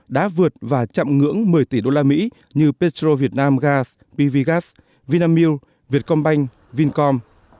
đã vượt và chạm ngưỡng một mươi tỷ usd như petro vietnam gas pv gas vinamilk vietcombank vincom